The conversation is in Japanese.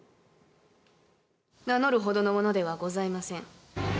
名乗るほどの者ではございません。